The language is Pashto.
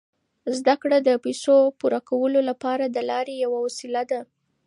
زده کړه د پیسو پوره کولو لپاره د لارې یوه وسیله ده.